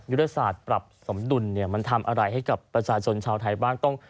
ยุทธศาสตร์ปรับสมดุลเนี่ยมันทำอะไรให้กับประชาชนชาวไทยบ้าง